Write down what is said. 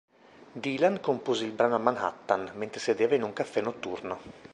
Dylan compose il brano a Manhattan, mentre sedeva in un caffè notturno.